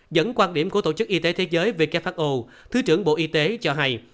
dẫn quan điểm của tổ chức y tế thế giới who thứ trưởng bộ y tế cho hay